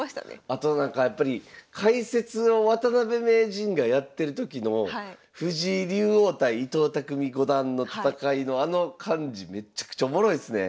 あとなんかやっぱり解説を渡辺名人がやってる時の藤井竜王対伊藤匠五段の戦いのあの感じめっちゃくちゃおもろいっすね。